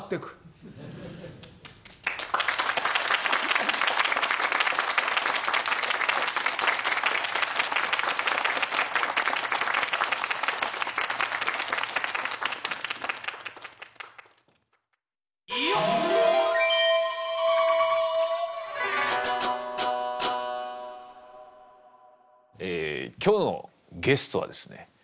ええ今日のゲストはですね。